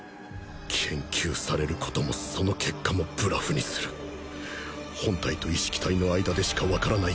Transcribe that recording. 研究される事もその結果もブラフにする本体と意識体の間でしか分からない